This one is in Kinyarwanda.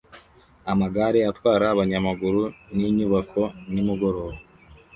Amagare atwara abanyamaguru ninyubako nimugoroba